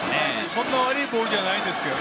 そんな悪いボールじゃないんですけど。